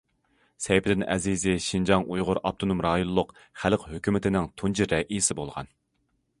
سەيپىدىن ئەزىزى شىنجاڭ ئۇيغۇر ئاپتونوم رايونلۇق خەلق ھۆكۈمىتىنىڭ تۇنجى رەئىسى بولغان.